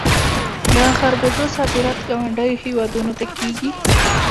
د خربوزو صادرات ګاونډیو هیوادونو ته کیږي.